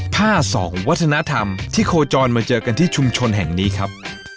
สองวัฒนธรรมที่โคจรมาเจอกันที่ชุมชนแห่งนี้ครับ